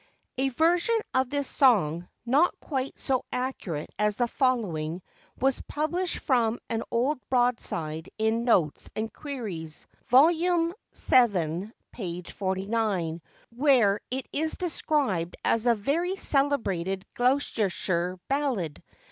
[A VERSION of this song, not quite so accurate as the following was published from an old broadside in Notes and Queries, vol. vii., p. 49, where it is described as a 'very celebrated Gloucestershire ballad.